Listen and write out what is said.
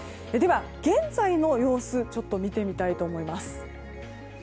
では、現在の様子見てみたいと思います。